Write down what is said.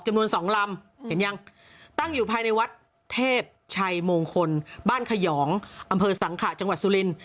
จำนวน๒ลำเห็นยังตั้งอยู่ภายในวัดเทพชัยมงคลบ้านขยองอำเภอสังขะจังหวัดสุรินทร์